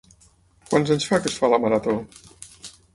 Quants anys fa que es fa la Marató?